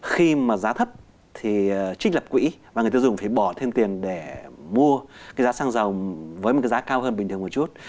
khi giá thấp thì trích lập quỹ và người tiêu dùng phải bỏ thêm tiền để mua giá xăng dầu với giá cao hơn bình thường một chút